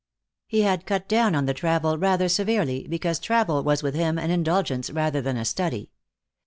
He had cut down on the travel rather severely, because travel was with him an indulgence rather than a study.